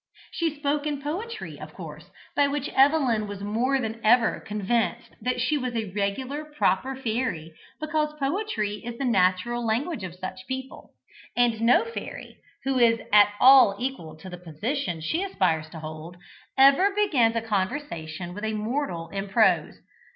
She spoke in poetry, of course, by which Evelyn was more than ever convinced that she was a regular, proper fairy, because poetry is the natural language of such people, and no fairy, who is at all equal to the position she aspires to hold, ever begins a conversation with a mortal in prose.